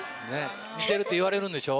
似てるって言われるんでしょ？